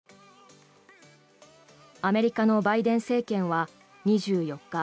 アメリカのバイデン政権は２４日